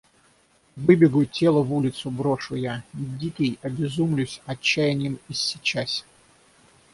Выбегу, тело в улицу брошу я. Дикий, обезумлюсь, отчаяньем иссечась.